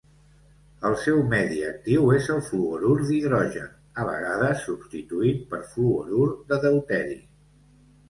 El seu medi actiu és el fluorur d'hidrogen, a vegades substituït per fluorur de deuteri.